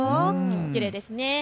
きれいですね。